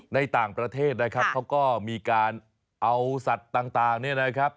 ในต่างประเทศนะครับเขาก็มีการเอาสัตว์ต่างเนี่ยนะครับ